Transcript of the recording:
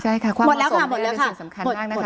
ใช่ค่ะความเหมาะสมมันเป็นสิ่งสำคัญมากนะคะ